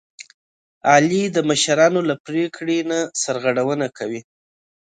علي د مشرانو له پرېکړې نه سرغړونه کوي.